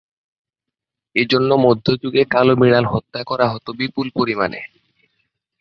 এজন্য মধ্যযুগে কালো বিড়াল হত্যা করা হত বিপুল পরিমাণে।